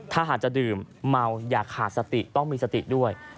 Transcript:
ถ้าหากจะดื่มเมาอย่าขาดสติต้องมีสติด้วย